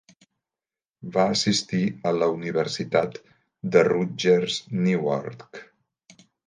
Va assistir a la Universitat de Rutgers-Newark.